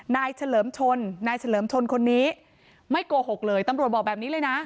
เฉลิมชนนายเฉลิมชนคนนี้ไม่โกหกเลยตำรวจบอกแบบนี้เลยนะ